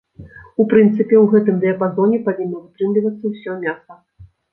У прынцыпе, у гэтым дыяпазоне павінна вытрымлівацца ўсё мяса.